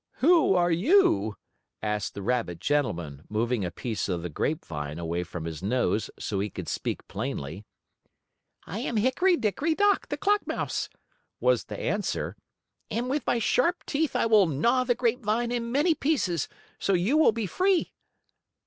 "Who are you?" asked the rabbit gentleman, moving a piece of the grape vine away from his nose, so he could speak plainly. "I am Hickory Dickory Dock, the clock mouse," was the answer, "and with my sharp teeth I will gnaw the grape vine in many pieces so you will be free."